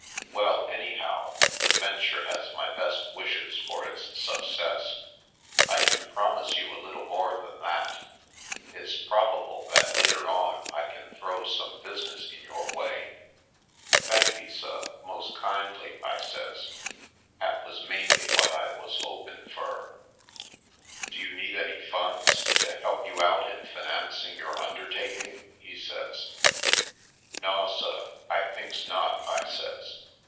Well, any how, the venture has my best wishes for its success. I can promise you a little more than that: It's probable that later on I can throw some business in your way." "Thanky, suh, mos' kindly," I says. " 'At wuz mainly whut I wuz hopin' fur." "Do you need any funds to help you out in financing your undertaking?" he says. "Naw suh, I thinks not," I says.